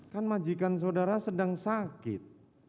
kan majikan saudara sedang sakit